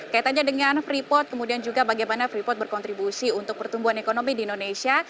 kaitannya dengan freeport kemudian juga bagaimana freeport berkontribusi untuk pertumbuhan ekonomi di indonesia